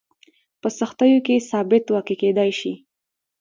په سختیو کې ثابت واقع کېدای شي.